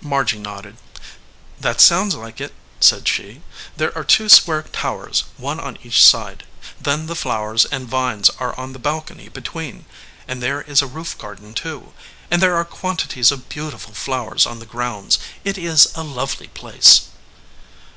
Margy nodded. "That sounds like it," said she. "There are two square towers, one on each side, then the flowers and vines are on the balcony be tween ; and there is a roof garden, too ; and there are quantities of beautiful flowers on the grounds. It is a lovely place."